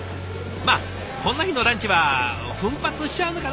まあこんな日のランチは奮発しちゃうのかな？